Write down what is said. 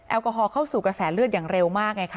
แอลกอฮอลเข้าสู่กระแสเลือดอย่างเร็วมากไงคะ